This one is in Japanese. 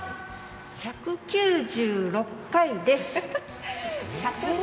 １９６回です。